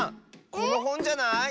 このほんじゃない？